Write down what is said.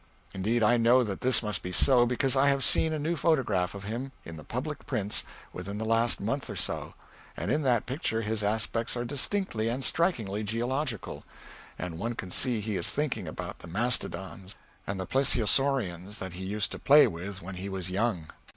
Indeed, I know that this must be so, because I have seen a new photograph of him in the public prints within the last month or so, and in that picture his aspects are distinctly and strikingly geological, and one can see he is thinking about the mastodons and plesiosaurians that he used to play with when he was young.